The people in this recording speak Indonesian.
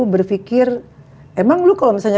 berpikir emang lu kalau misalnya